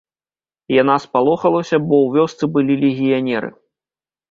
Яна спалохалася, бо ў вёсцы былі легіянеры.